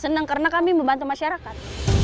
senang karena kami membantu masyarakat